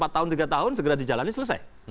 empat tahun tiga tahun segera dijalani selesai